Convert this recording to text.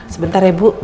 sebentar ya bu